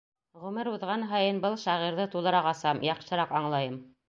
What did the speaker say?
Ғүмер уҙған һайын был шағирҙы тулыраҡ асам, яҡшыраҡ аңлайым.